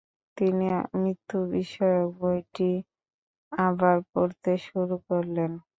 তিনি মৃত্যু-বিষয়ক বইটি আবার পড়তে শুরু করলেন।